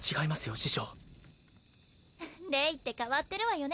師匠レイって変わってるわよね